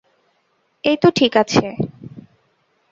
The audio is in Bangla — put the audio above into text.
এইতো ঠিক আছে।